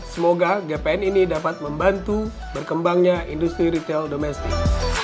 semoga gpn ini dapat membantu berkembangnya industri retail domestik